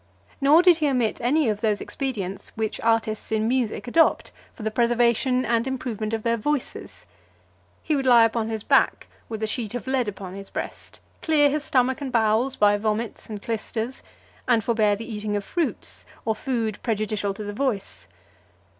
Nor did he omit any of those expedients which artists in music adopt, for the preservation and improvement of their voices. He would lie upon his back with a sheet of lead upon his breast, clear his stomach and bowels by vomits and clysters, and forbear the eating of fruits, or food prejudicial to the voice.